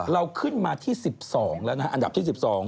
เราขึ้นมาที่๑๒แล้วนะฮะอันดับที่๑๒